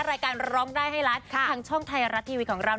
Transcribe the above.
รายการร้องได้ให้ล้านทางช่องไทยรัฐทีวีของเรา